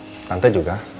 tante bener bener khawatir